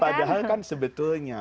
padahal kan sebetulnya